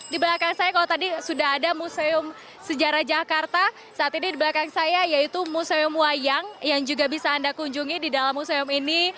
di belakang saya kalau tadi sudah ada museum sejarah jakarta saat ini di belakang saya yaitu museum wayang yang juga bisa anda kunjungi di dalam museum ini